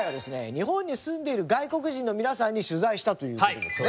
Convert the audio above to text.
日本に住んでいる外国人の皆さんに取材したという事ですね。